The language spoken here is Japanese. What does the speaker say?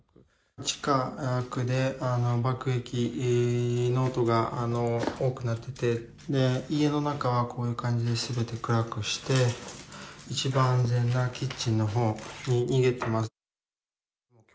近くで爆撃の音が多くなってて、家の中はこういう感じですべて暗くして、一番安全なキッチンのほうに逃げてます。